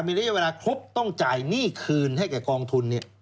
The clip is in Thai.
ไม่ได้เวลาครบต้องจ่ายหนี้คืนให้กับกองทุน